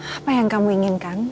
apa yang kamu inginkan